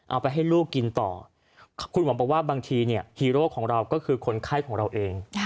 เอาไปให้ลูกกินต่อคุณหวังบอกว่าบางทีเนี่ยฮีโร่ของเราก็คือคนไข้ของเราเอง